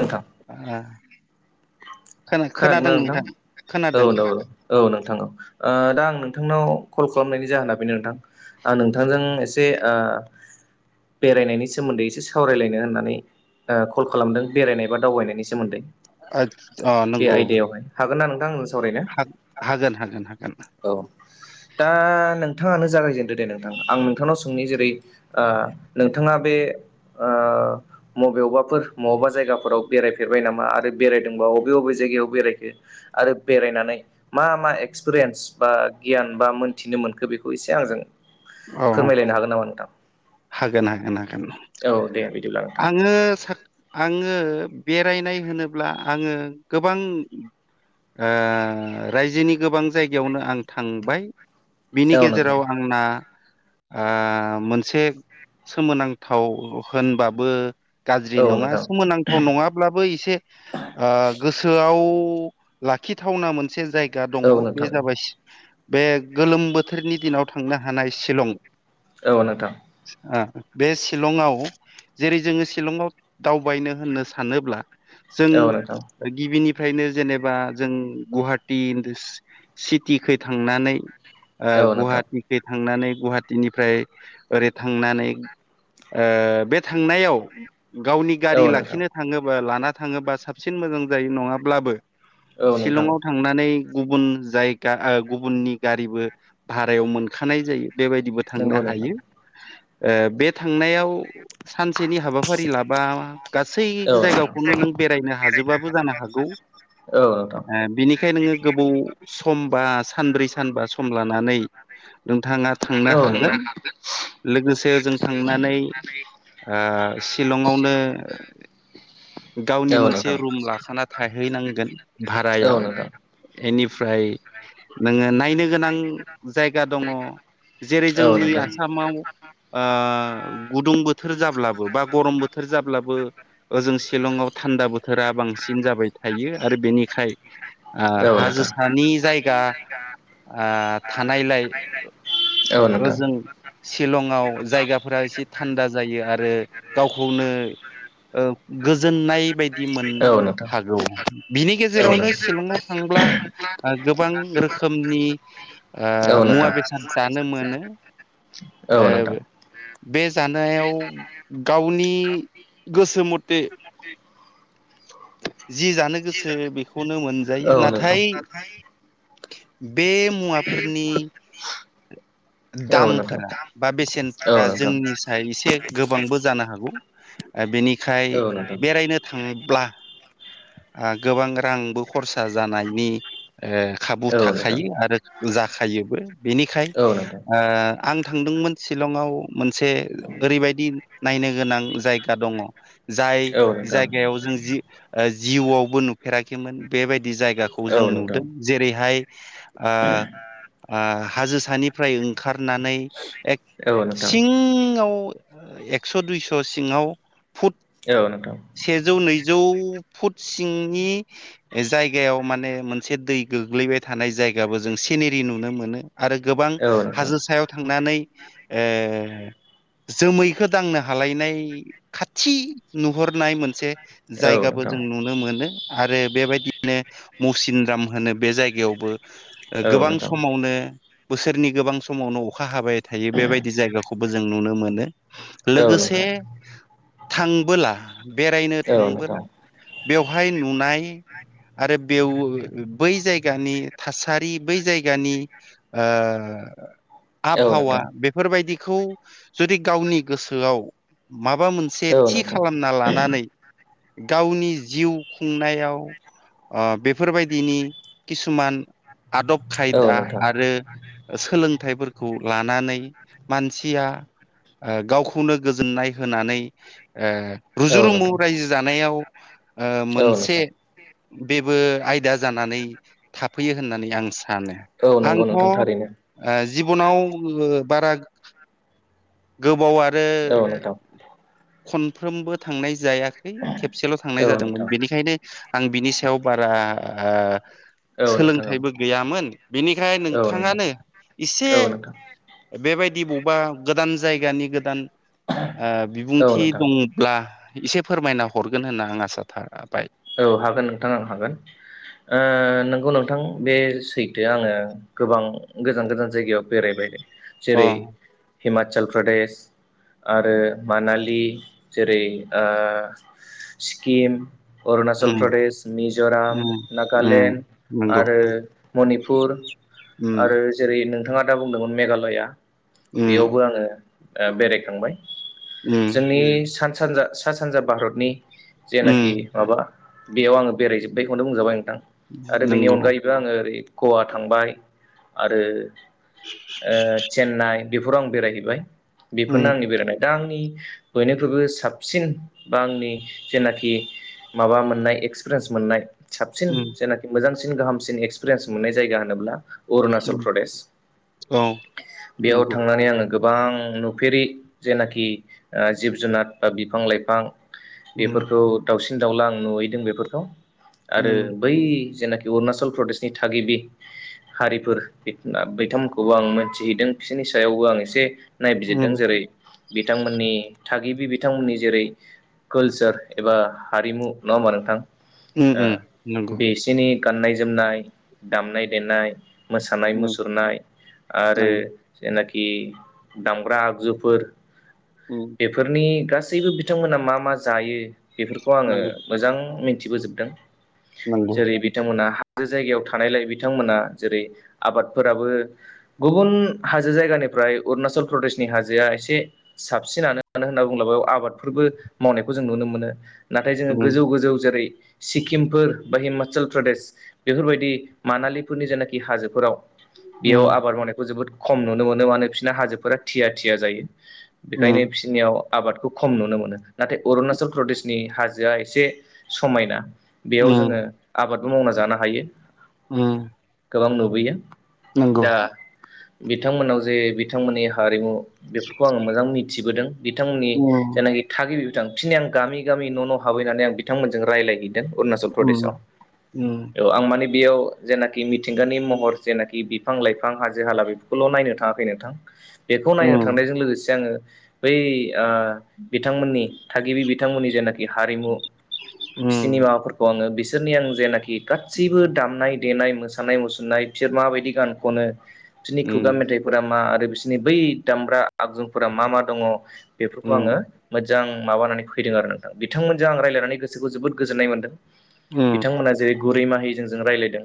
नोंथां आह खोनादोंना खोनादों नोंथां औ औ औ नोंथां औ ओ दा आं नोंथांनाव कल खालामनायनि जाहोना बेनो नोंथां आं नोंथांजों एसे ओ बेरायनायनि सोमोन्दै एसे सावरायलायनो होननानै ओ कल खालामदों। बेरायनाय बा दावबायनायनि सोमोन्दै अ बे आयदायावहाय हागोन ना नों हा हागोन हागोन हागोन। औ दा नोंथाङानो जागायजेनदो दे नोंथां आं नोंथांनाव सोंनि जेरै आ नोंथाङा बे आ मबेयावबाफोर मबावबा जायगाफोराव बेरायफेरबाय नामा आरो बेरायदोंबा अबे अबे जायगायाव बेरायखो आरो बेरायनानै मा मा एक्सपिरियेन्स बा गियान बा मोन्थिनो मोनखो बेखौ एसे आंजों औ फोरमायलायनो हागोन नामा नोंथां हागोन हागोन हागोन औ दे बिदिब्ला नोंथां आङो सा आङो ओ बेरायनाय होनोब्ला आङो गोबां ओ रायजोनि गोबां जायगायावनो आं थांबाय बिनि औ नोंथां गेजेराव आंना ओ मोनसे सोमोनांथाव होनबाबो गाज्रि औ नङा नोंथां सोमोनांथाव नङाब्लाबो एसे ओ गोसोआव लाखिथावना मोनसे जायगा दङ औ बे नोंथां जाबाय बे गोलोम बोथोरनि दिनाव थांनो हानाय शिलं औ नोंथां। ओ बे शिलंआव जेरै जोङो शिलंआव दावबायनो होननो सानोब्ला जों औ नोंथां गिबिनि फ्रायनो जेनेबा जों गुहाटि सिटिखै थांनानै ओ औ नोंथां गुवाहाटिखै थांनानै गुवाहाटिनिफ्राय ओरै थांनानै ओ बे थांनायाव गावनि गारि औ नोंथां लाखिनो थाङोबा लाना थाङोबा साबसिन मोजां जायो नङाब्लाबो औ नोंथां शिलंआव थांनानै गुबुन जायगा ओ गुबुननि गारिबो भारायाव मोनखानाय जायो बेबायदिबो थांनो नंगौ नोंथां हायो ओ बे थांनायाव सानसेनि हाबाफारि लाबा गासै औ नोंथां जायगाखौनो नों बेरायनो हाजोबाबो जानो हागौ औ नोंथां ओ बिनिखायनो नोङो गोबाव सम बा सानब्रै सानबा सम लानानै नोंथाङा थांनो हागोन नोंथाङा लोगोसे जों थांनानै ओ सिलंआवनो औ गावनि मोनसे नोंथां रुम लाखाना थाहैनांगोन औ भारायाव नोंथां इनिफ्राय नोङो नायनो गोनां जायगा दङ जेरै औ जोंनि नोंथां आसामाव ओ गुदुं बोथोर जाब्लाबो बा गरम बोथोर जाब्लाबो ओजों सिलं लंङाव थान्दा बोथोरा बांसिन जाबाय थायो आरो बेनिखाय ओ औ नोंथां हाजोसानि जाय जायगा ओ थानायलाय औ नोंथां ओजों सिलंआव जायगाफोरा एसे थान्दा जायो आरो गावखौनो ओ गोजोननाय बायदि मोननो औ नोंथां हागौ बिनि औ गेजेरावनो सिलंआव थांब्ला ओ गोबां रोखोम रोखोमनि ओ औ नोंथां औ मुवा नोंथां बेसाद जानो मोनो। औ नोंथां ओ बे जानायाव गावनि गोसो मथे जि जानो गोसो बेखौनो औ नोंथां औ नोंथां औ मोनजायो नोंथां नाथाय बे मुवाफोरनि औ नोंथां औ नोंथां औ नोंथां औ नोंथां औ नोंथां दामफोरा बा बेसेनफोरा जोंनि साय एसे गोबांबो जानो हागौ बेनिखाय बेरायनो थांब्ला ओ गोबां रांबो खरसा जानायनि ओ खाबु थाखायो आरो जाखायोबो बेनिखाय ओ थांदोंमोन सिलंआव मोनसे ओरैबायदि नायनो गोनां जायगा दङ जाय जायगायाव जों जों जिउ ओ जिउआवबो नुफेराखैमोन बेबायदि जायगाखौ जों नुदों जेरैहाय ओ ओ हाजोसानिफ्राय ओंखारनानै एक सिङाव एक्स' दुइस' सिङाव फुट औ नोंथां सेजौ नैजौ फुट सिंनि जायगायाव माने मोनसे दै गोग्लैबाय थानाय जायगाबो जों सेनेरि नुनो मोनो आरो गोबां औ नोंथां हाजो सायाव थांनानै ओ जोमैखौ दांनो हालायनाय खाथि नुहरनाय मोनसे औ जायगाबो नोंथां जों नुनो मोनो आरो बेबायदिनो मुसिन राम होनो बे जायगायावबो औ गोबां नोंथां समावनो बोसोरनि गोबां समावनो अखा हाबाय थायो बेबायदि जायगाखौबो जों नुनो मोनो। औ लोगोसे नोंथां थांबोला बेरायनो औ नोंथां थांबोला बेवहाय नुनाय आरो बेव बै जायगानि थासारि बै जायगानि ओ औ आबहावा नोंथां बेफोरबायदिखौ जुदि गावनि गोसोआव माबा मोनसे औ थि नोंथां खालामना लानानै गावनि जिउ खुंनायाव ओ बेफोरबायदिनि किसुमान आदब औ खायदा नोंथां आरो सोलोंथाइफोरखौ खौ लानानै मानसिया ओ गावखौनो गोजोननाय होनानै ओ औ रुजु रुमु नोंथां रायजो जानायाव ओ औ मोनसे नोंथां बेबो आयदा जानानै थाफैयो होननानै आं सानो औ सानो नंगौ आंथ' ओ नोंथां थारैनो जिबनाव बारा गोबाव आरो औ बो नोंथां खनफ्रोमबो थांनाय जायाखै खेबसेल' थांनाय औ जादोंमोन नोंथां बेनिखायनो आं बिनि सायाव बारा ओ औ नोंथां सोलोंथाइबो औ गैयामोन बेनिखाय औ नोंथां औ नोंथाङानो एसे नोंथां बेबायदि बबेबा गोदान जायगानि गोदान ओ औ बिबुंथि नोंथां दंब्ला एसे फोरमायना हरगोन होनना आं आसा थाबाय । औ हागोन नोंथां आं हागोन। ओ नोंगौ नोंथां बे सैथो आङो गोबां गोजान गोजान जायगायाव बेरायबाय। अ जेरै हिमाचल प्रदेश आरो मानालि जेरै ओ सिक्किम अरुणचल उम प्रदेश मिज'राम उम उम नागालेण्ड नंगौ आरो मनिपुर उम आरो जेरै नोंथाङा दा बुंदोंमोन मेघालया। उम बेयावबो आङो ओ बेरायखांबाय उम जोंनि सा सानजा सा सानजा भारतनि जेनाखि उम माबा आरो बेनि नंगौ अनगायैबो आङो ओरै गवा थांबाय आरो ओ चेन्नाइ बेफोराव आं बेरायहैबाय बेफोरनो उम आंनि बेरायनाय दा आंनि बयनिख्रुबो साबसिन बा आंनि जेनाखि माबा मोननाय एक्सपिरिन्स मोननाय साबसिन उम जेनाखि मोजां सिन गाहामसिन एक्सपिरियेन्स मोननायायगा होनोब्ला अरुणचल उम प्रदेश औ बेयाव नंगौ थांनानै आङो गोबां नुफेरि जेनाखि जिब जुनार बा बिफां लाइफां उम बेफोरखौ दाउसिन दाउला आं नुहैदों बेफोरखौ आरो उम बै जेनाखि अरुणाचल प्रदेशनि थागिबि हारिफोर बिथांमोनखौबो आं मोनन्थिहैदों बिसोर नि सायावबो आं एसे नायबिजिरदों उम जेरै बिथांमोननि थागिबि बिथांमोननि जेरै कलचार एबा हारिमु नङा होमबा नोंथां? उम ओ उम नंगौ बिसिनि गाननाय जोमनाय दामनाय देनाय मोसानाय उम मुसुरनाय आरो जेनाखि दामग्रा आगजुफोर बेफोरनि गासै गासैबो बिथांमोना मा मा जायो खौ आङो नंगौ मोजां मिथिबोजोबदों जेरै बिथांमोना हाजो जायगायाव थानायलाय बिथांमोना जेरै आबादफोराबो गुबुन हाजो जायगानि फ्राय अुणाचल प्रदेशनि हाजोआ एसे साबसिनानो मानो होनना बुङोबा बे आबादफोरबो मावनाय जों नुनो मोनो नाथाय जोङो उम नंगौ गोजौ नंगौ गोजौ जेरै सिक्किमफोर बा हि अरुणाचल प्रदेश बेफोरबायदि मानालिफोरनि जेनाखि हाजोफोराव बेयाव उम आबाद मावनायखौ जोबोद खम नुनो मोनो मानो बिसोरना हाजोफोरा थिया थिया जायो। बेखायनो उम बिसोरनियाव आबादखौ खम नुनो मोनो नाथाय अरुणाचल प्रदेश नि हाजोआ एसे समायना उम बेयाव जोङो आबादबो मावना जानो हायो । उम । गोबां नुबोयो दा बिथांमोनाव जे बिथांमोननि हारिमु बेफोरखौ आङो मोजां मिथिबोदों बिथांमोननि उम जायनाखि थागिबि बिथां थिनै आं गामि गामि न' न' हाबहैनानै आं बिथांमोनजों रायज्लायहै दों अरुनाचल उम प्रदेशआव उम थ' आं माने बेयाव जेनाखि मिथिंगानि महर जेनाखि बिफां लाइफां हाजो हाला बेफोरखौल' नायनो थाङाखै नोंथां बेखौ उम नायनो थांनायजों लोगोसे आङो बै ओ बिथांमोननि थागिबि जेनाकि हारिमु बिसोरनि उम माबाफोरखौ बिसोरनि आं जेनाखि गासैबो दामनाय देनाय मोसानाय मुसुरनाय बिसोर माबायदि गान खनो बिसोरनि उम खुगा मेथाइफोरा मा आरो बिसोरनि बै दामब्रा आगजुफोरा मा मा दङ' बेफोरखौ आङो मोजां माबानानै फैदों आरो नोंथां बिथांमोनजों आं रायज्लायनानै गोसोखौ जोबोद गोजोननाय मोनदों। बिथांमोना जेरै गुरै माहिजों जों रायज्लायदों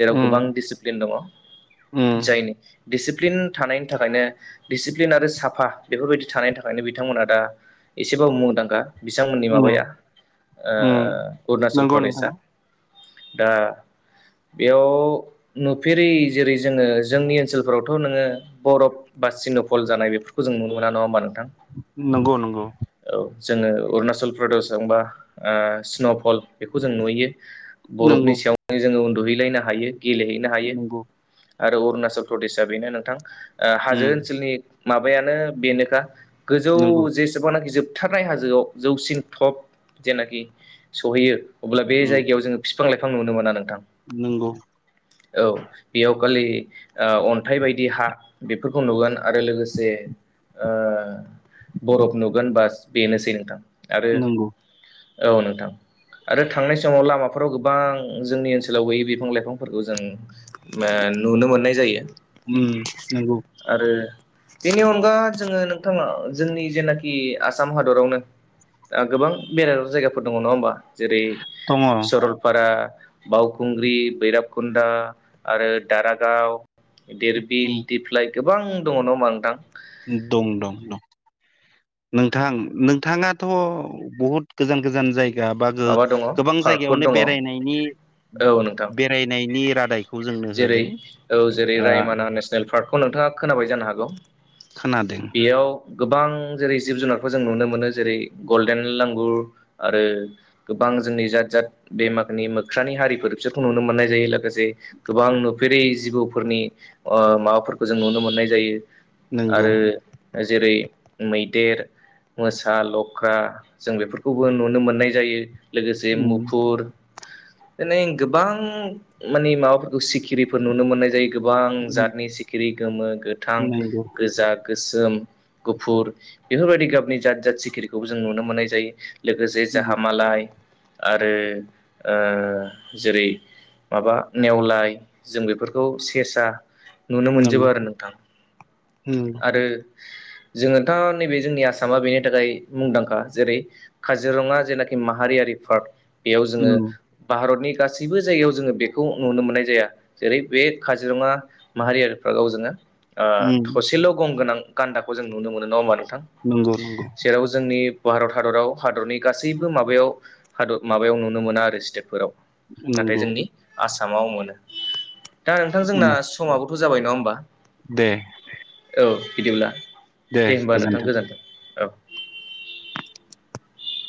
जेराव गोबां डिसिप्लिन दङ' उम जायनि दिडिसिप्लिन थानायनि थाखायनो दिडिसिप्लिन आरो साफा बेफोरबायदि थानायनि थाखायनो बिथांमोना दा एसेबाबो मुंदांखा बिथांमोननि उम उम माबाया ओ अरुनाचल नंगौ नोंथां प्रदेशआ दा बेयाव नुफेरै जेरै जोङो जोंनि ओनसोलफोरावथ' नोङो बरफ बा सिन'फल जानाय बेफोरखौ जों नुनो मोना नङा होनबा नों नंगौ नंगौ । जोङो अरुणाचल प्रदेशजोंबा स्न'फल बेखौ जों नुयो बरफनि नंगौ सायावनो जोङो उन्दुहैलायनो हायो । गेलेहैनो हायो नंगौ आरो अरुणाचल प्रदेशआ बेनो नोंथां हाजो उम ओनसोलनि माबायानो बेनोखा गोजौ नंगौ जेसेबनाखि जोबथारनाय हाजोआव जौसिन टप जेनाखि सहैयो अब्ला बे उम जायगायाव जोङो बिफां लाइफां नुनो मोना नोंथां। नंगौ औ बेयाव खालि अन्थाइ बायदि हा बेफोरखौ नुगोन आरो लोगोसे बरफ नुगोन बास बेनोसै नोंथां आरो नंगौ औ नोंथां आरो थांनाय समाव लामाफोराव गोबां जोंनि ओनसोलाव गैयै बिफां लाइफांफोरखौ जों नुनो मोननाय जायो उम नंगौ आरो बेनि अनगा जोङो नोंथाङा जोंनि जेनाखि आसाम हादरावनो गोबां बेरायथाव जायगाफोर दङ नङा होमबा जेरै दङ सरलपारा बावखुंग्रि बैराब कुन्दा आरो दारागाव दिरबिल उम दिप्लाय गोबां दङ नङा होनबा नोंथां दं दं दं नोंथां नोंथाङाथ' बहुद गोजान गोजान जायगा बा माबा दङ गोबां पार्कफोर जायगायावनो दङ बेरायनायनि औ नोंथां बेरायनायनि रादायखौ जोंनो जेरै होदों औ जेरै ओ रायमना नेसनेल पार्क औ नोंथाङा खोनाबाय जानो हागौ खोनादों बेयाव गोबां जेरै जिब जुनारखौ जों नुनो मोनो जेरै गल्डेन लांगुर आरो गोबां जोंनि जात जात बेमाखनि मोख्रानि हारिफोर बिसोरखौ नुनो मोननाय जायो लोगोसे गोबां नुफेरै जिबौफोरनि माबाफोरखौ जों नुनो मोननाय जायो नंगौ आरो जेरै मैदेर मोसा लख्रा जों बेफोरखौ नुनो मोननाय जायो लोगोसे उम मुफुर माने गोबां माने माबाफोरखौ सिखिरिफोर नुनो मोननाय जायो गोबां जातनि सिखिरि गोमो गोथां नंगौ गोजा गोसोम गुफुर बेफोरबायदि गाबनि जात जात सिखिरिखौबो जों नुनो मोननाय जायो लोगोसे जाहा मालाय आरो जेरै- माबा नेवलाय जों बेफोरखौ सेरसा नुनो मोनजोबो नंगौ आरो नोंथां आरो जोङोथ' नैबे जोंनि आसामा बेनि थाखाय मुंदांखा जेरै काजिरङा जेनाखि माहारियारि पार्क बेयाव जोङो भारतनि गासैबो जायगायाव जोङो बेखौ नुनो मोननाय जाया जेरै बे काजिरङा माहारियारि फारगाव जोङो थसेल' गंगोनां गान्दाखौ जों नुनो मोनो नङा होनबा नोंथां नंगौ नंगौ जेराव जोंनि भारत हादराव हादरनि गासैबो माबायाव हादर माबायाव नुनो मोना आरो स्टेटफोराव नाथाय नंगौ नंगौ जोंनि आसामाव मोनो दा नोंथां जोंना समाबो जाबाय नङा होनबा दे औ बिदिब्ला दे होमबा नोंथां गोजोन्थों औ।